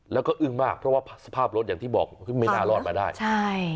แล้วก็อึ้งมากเพราะว่าสภาพรถอย่างที่บอกไม่น่ารอดมาได้ใช่